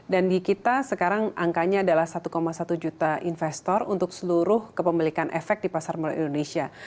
dan di kita sekarang angkanya adalah satu satu juta investor untuk seluruh kepemilikan efek di pasar modal indonesia